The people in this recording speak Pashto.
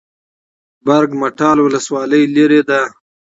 برګ مټال ولسوالۍ لیرې ده؟